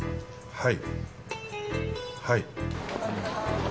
はい。